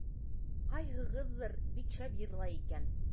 - Ҡайһығыҙҙыр бик шәп йырлай икән.